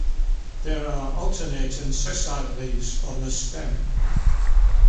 There are alternate and sessile leaves on the stem.